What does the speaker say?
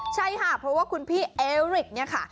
ใช่ค่ะเพราะว่าคุณพี่เอริกเนี่ยค่ะ